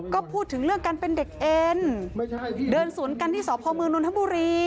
ก็พูดถึงเรื่องการเป็นเด็กเอ็นเดินสวนกันที่สพมนนทบุรี